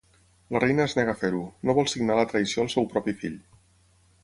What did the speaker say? La reina es nega a fer-ho, no vol signar la traïció al seu propi fill.